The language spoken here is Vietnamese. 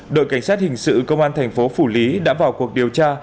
đội cảnh sát hình sự công an thành phố phủ lý đã vào cuộc điều tra